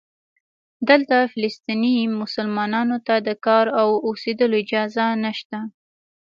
دلته فلسطینی مسلمانانو ته د کار او اوسېدلو اجازه نشته.